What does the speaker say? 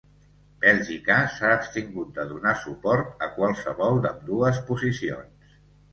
Bèlgica s'ha abstingut de donar suport a qualsevol d'ambdues posicions.